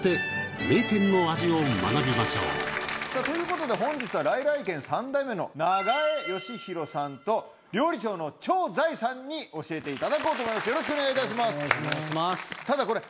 では、ということで、本日は来々軒３代目の長江祥泰さんと料理長の張財さんに教えていただこうと思います。